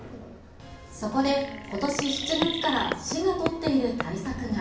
そこで、ことし７月から市が取っている対策が。